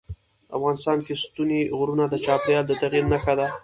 افغانستان کې ستوني غرونه د چاپېریال د تغیر نښه ده.